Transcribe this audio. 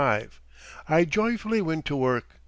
I joyfully went to work.